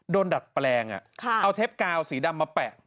โดนดัดแปลงอ่ะเอาเทปกาเอาสีดำมาแปะ